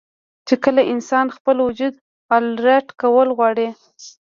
چې کله انسان خپل وجود الرټ کول غواړي